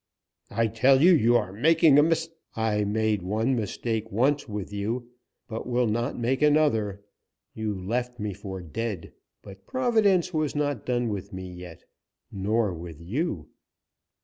"I tell you you are making a mis " "I made one mistake once with you, but will not make another. You left me for dead, but Providence was not done with me yet nor with you."